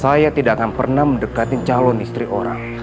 saya tidak akan pernah mendekati calon istri orang